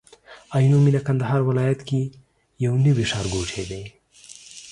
عينو مينه کندهار ولايت کي يو نوي ښارګوټي دي